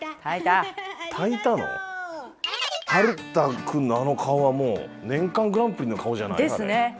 はるた君のあの顔はもう年間グランプリの顔じゃない？ですね。